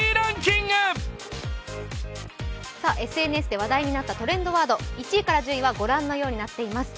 ＳＮＳで話題になったトレンドワード、１位から１０位はご覧のようになっています。